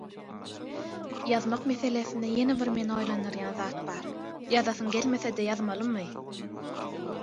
Ýazmak meselesinde ýene bir meni oýlandyrýan zat bar – ýazasyň gelmesede ýazmalymy?